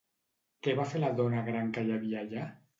Què va fer la dona gran que hi havia allà?